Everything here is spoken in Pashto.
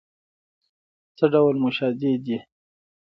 څه ډول موشادې دي؟